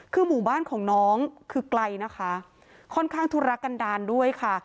คือหมู่บ้านของน้องคือไกลนะคะค่อนข้างทุรกันดาลด้วยค่ะ